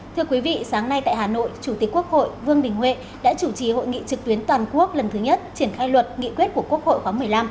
thưa quý vị sáng nay tại hà nội chủ tịch quốc hội vương đình huệ đã chủ trì hội nghị trực tuyến toàn quốc lần thứ nhất triển khai luật nghị quyết của quốc hội khóa một mươi năm